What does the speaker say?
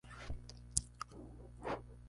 Ambos sexos tienen un aspecto similar.